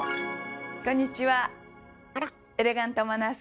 こんにちは。